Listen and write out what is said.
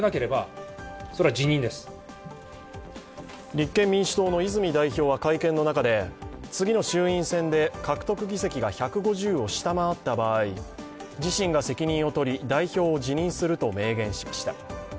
立憲民主党の泉代表は会見の中で次の衆院選で獲得議席が１５０を下回った場合、自身が責任を取り、代表を辞任すると明言しました。